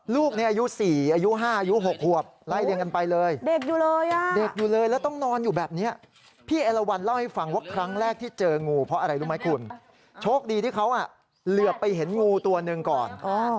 ลูกเนี่ยอายุ๔อายุ๕อายุ๖หวบ